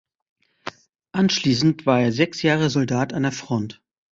Anschließend war er sechs Jahre Soldat an der Front.